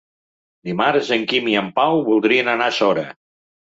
Dimarts en Quim i en Pau voldrien anar a Sora.